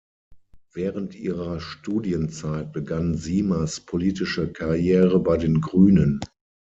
Während ihrer Studienzeit begann Simas politische Karriere bei den Grünen.